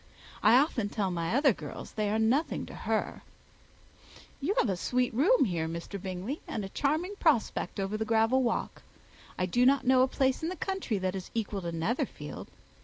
I often tell my other girls they are nothing to her. You have a sweet room here, Mr. Bingley, and a charming prospect over that gravel walk. I do not know a place in the country that is equal to Netherfield.